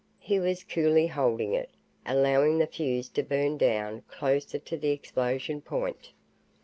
He was coolly holding it, allowing the fuse to burn down closer to the explosion point.